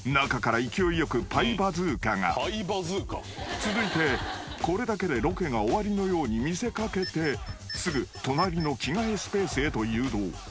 ［続いてこれだけでロケが終わりのように見せかけてすぐ隣の着替えスペースへと誘導］